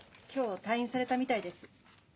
今日退院されたみたいです。